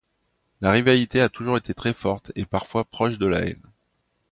La rivalité a toujours été très forte, et parfois proche de la haine.